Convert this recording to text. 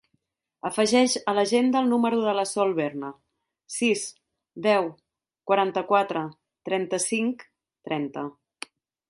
Afegeix a l'agenda el número de la Sol Berna: sis, deu, quaranta-quatre, trenta-cinc, trenta.